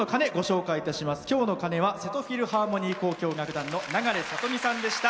今日の鐘は瀬戸フィルハーモニー交響楽団の永礼さとみさんでした。